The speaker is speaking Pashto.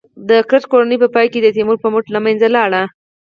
د کرت کورنۍ په پای کې د تیمور په مټ له منځه لاړه.